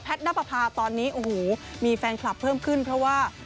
แพทนับประพาตอนนี้มีแฟนคลับเพิ่มขึ้นเพราะว่า